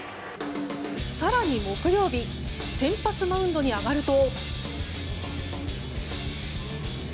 更に木曜日先発マウンドに上がると。